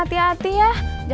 di depan rumahnya